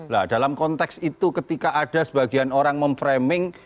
nah dalam konteks itu ketika ada sebagian orang memframing